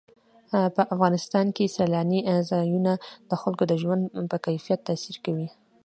په افغانستان کې سیلانی ځایونه د خلکو د ژوند په کیفیت تاثیر کوي.